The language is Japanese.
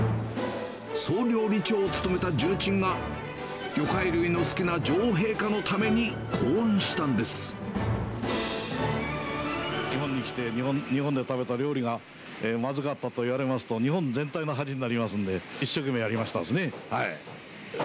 総料理長を務めた重鎮が、魚介類の好きな女王陛下のために考案し日本に来て、日本で食べた料理がまずかったと言われますと、日本全体の恥になりますんで、一生懸命やりましたですね。